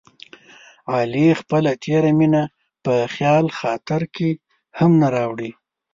علي خپله تېره مینه په خیال خاطر کې هم نه راوړي.